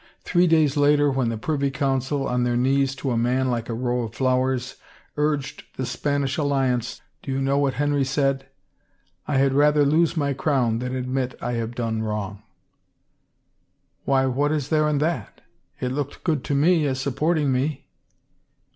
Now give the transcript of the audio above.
Three days later when the Privy G)uncil, on their knees to a man like a row of flowers, urged the Spanish alliance, do you know what Henry said ?* I had rather lose my crown than admit I have done wrong !'"" Why, what is there in that? It looketh good to me, as supporting me."